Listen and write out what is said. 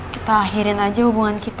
kita akhirin aja hubungan kita